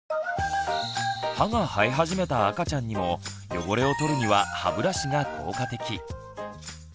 歯が生え始めた赤ちゃんにも汚れをとるには歯ブラシが効果的。